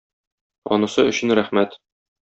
Анысы өчен рәхмәт.